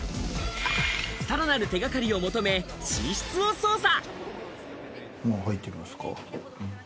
さらなる手掛かりを求め、寝室を捜査。